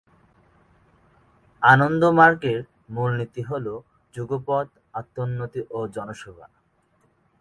আনন্দমার্গের মূল নীতি হলো যুগপৎ আত্মোন্নতি ও জনসেবা।